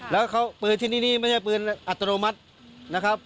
แล้วปืนที่นี่ไม่ใช่ปืนอัตโนมัตินะครับ